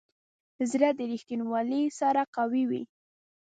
زړه د ریښتینولي سره قوي وي.